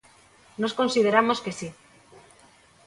Nós consideramos que si.